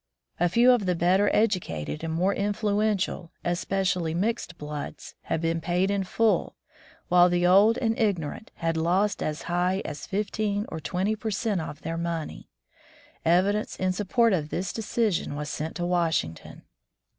A few of the better educated and more in fluential, especially mixed bloods, had been paid in full, while the old and ignorant had lost as high as fifteen or twenty per cent of their money. Evidence in support of this decision was sent to Washington.